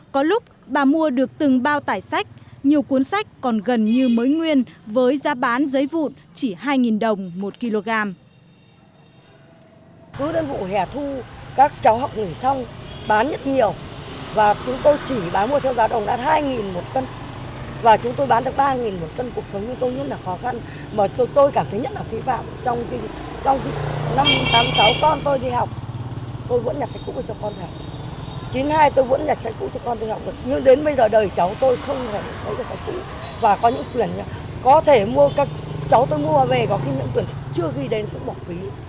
có lúc bà hậu đã mua được nhiều sách giáo khoa nhưng chưa bao giờ bà hậu đã mua được nhiều sách giáo khoa như những năm gần đây